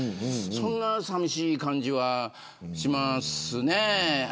そんな寂しい感じはしますね。